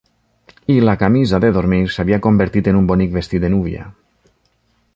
I la camisa de dormir s'havia convertit en un bonic vestit de núvia.